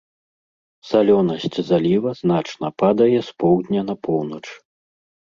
Салёнасць заліва значна падае з поўдня на поўнач.